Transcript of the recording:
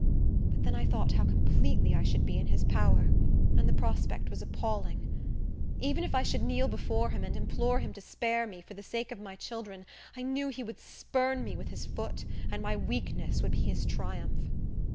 But then I thought how completely I should be in his power, and the prospect was appalling. Even if I should kneel before him, and implore him to spare me, for the sake of my children, I knew he would spurn me with his foot, and my weakness would be his triumph.